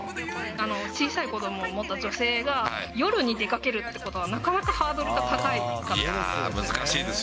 小さい子どもを持った女性が、夜に出かけるってことはなかなかハードルが高いんです。